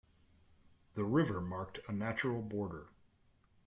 The river marked a natural border.